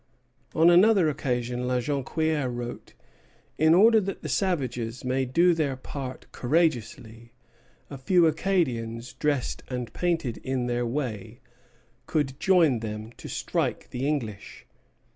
On another occasion La Jonquière wrote: "In order that the savages may do their part courageously, a few Acadians, dressed and painted in their way, could join them to strike the English.